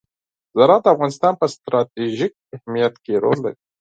زراعت د افغانستان په ستراتیژیک اهمیت کې رول لري.